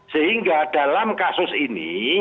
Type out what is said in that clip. sehingga dalam kasus ini